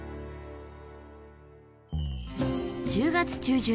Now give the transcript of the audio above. １０月中旬